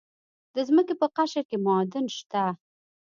د ځمکې په قشر کې معادن شته.